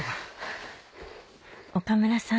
岡村さん